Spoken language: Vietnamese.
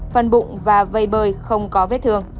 phần bụng và vây bơi không có vết thương